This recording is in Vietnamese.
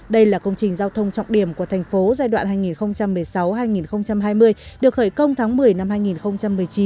đây là công trình giao thông trọng điểm của thành phố giai đoạn hai nghìn một mươi sáu hai nghìn hai mươi được khởi công tháng một mươi năm hai nghìn một mươi chín